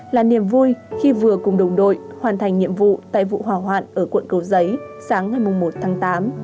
là niềm vui khi vừa cùng đồng đội hoàn thành nhiệm vụ tại vụ hỏa hoạn ở quận cầu giấy sáng ngày một tháng tám